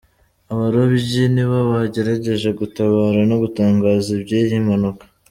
Abarobyi nibo bagerageje gutabara no gutangaza iby’iyi mpanuka.